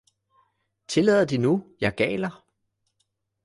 Tillader de nu, jeg galer